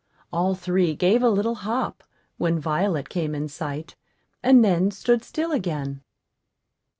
All three gave a little hop when Violet came in sight, and then stood still again.